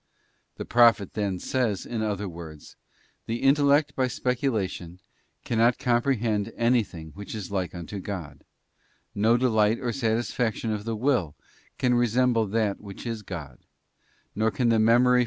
The Prophet then says, in other words: _ The intellect, by speculation, cannot comprehend anything _ which is like unto God; no delight or satisfaction of the will _ can resemble that which is God; nor can the memory furnish * 1 Cor.